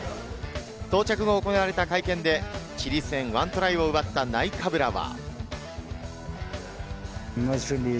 到着後、行われた会見でチリ戦、１トライを奪ったナイカブラは。